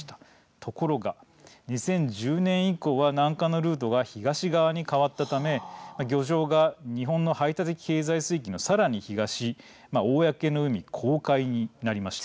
ところが２０１０年以降は南下のルートが東側に変わったため漁場が日本の排他的経済水域のさらに東側、公の海公海になりました。